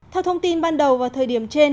theo thông tin ban đầu và thời điểm trên